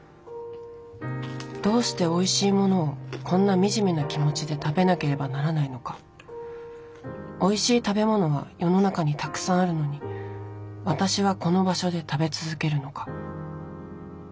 どうしておいしいものをこんなみじめな気持ちで食べなければならないのかおいしい食べ物は世の中にたくさんあるのに私はこの場所で食べ続けるのか。